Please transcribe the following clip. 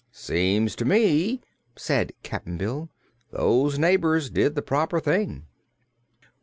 "Seems to me," said Cap'n Bill, "those neighbors did the proper thing."